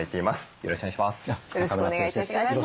よろしくお願いします。